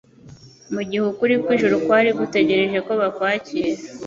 mu gihe ukuri kw'ijuru kwari gutegereje ko bakwakira.